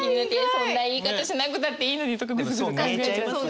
そんな言い方しなくたっていいのにとかぐずぐず考えちゃいますね。